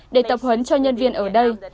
để tập hấn cho nhân viên ở đây